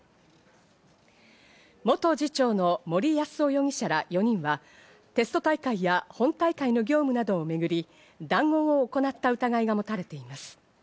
元次長の森泰夫容疑者ら４人は、テスト大会や今大会の業務などめぐり談合を行った疑いが持たれています。